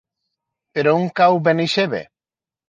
Per on cau Benaixeve?